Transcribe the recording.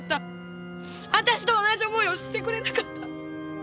私と同じ思いをしてくれなかった。